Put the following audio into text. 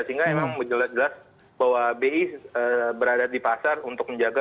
sehingga memang jelas jelas bahwa bi berada di pasar untuk menjaga